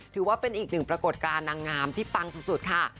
ถือว่าเป็นอีกหนึ่งปรากฏการณ์นางงามที่ปังสุดค่ะ